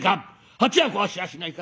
鉢は壊しやしないか！？